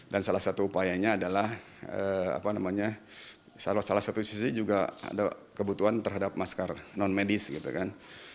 dan salah satu upayanya adalah salah satu sisi juga ada kebutuhan terhadap masker non medis gitu kan